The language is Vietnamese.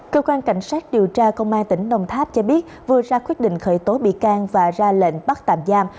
cơ quan cảnh sát điều tra công an tỉnh đồng tháp cho biết vừa ra quyết định khởi tố bị can và ra lệnh bắt tạm giam